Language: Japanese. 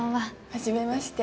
はじめまして。